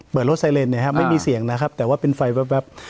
เปิดรถไซเลนด์เนี่ยฮะไม่มีเสียงนะครับแต่ว่าเป็นไฟแบบแบบ